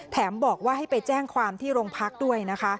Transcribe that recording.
บอกว่าให้ไปแจ้งความที่โรงพักด้วยนะคะ